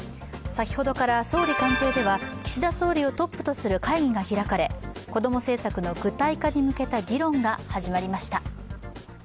先ほどから総理官邸では岸田総理をトップとする会議が開かれこども政策の具体化に向けた議論が始まりました。